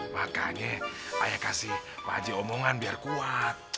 makanya ayah kasih pakcik omongan biar kuat